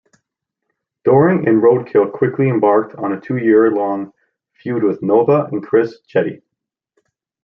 Doring and Roadkill quickly embarked on a two-year-long feud with Nova and Chris Chetti.